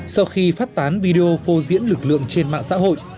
sau khi phát tán video phô diễn lực lượng trên mạng xã hội